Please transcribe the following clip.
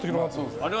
あれは？